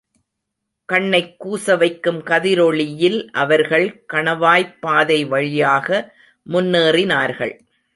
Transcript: கண்ணைக் கூசவைக்கும் கதிரொளியில் அவர்கள் கணவாய்ப் பாதை வழியாக முன்னேறினார்கள்.